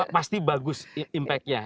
pasti bagus impactnya